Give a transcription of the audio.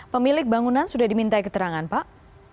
pemilik bangunan sudah diminta keterangan pak